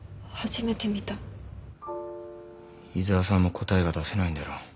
井沢さんも答えが出せないんだろう。